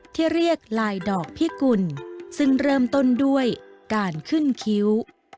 ที่เรียกลายดอกพิกุลซึ่งเริ่มต้นด้วยการขึ้นคิ้ว